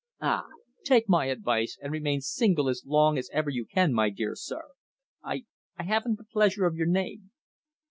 "Ah! Take my advice and remain single as long as ever you can, my dear sir. I I haven't the pleasure of your name."